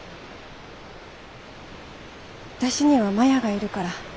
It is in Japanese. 私にはマヤがいるから。